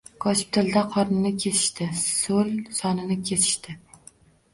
Gospitalda qornini kesishdi, so‘l sonini kesishdi.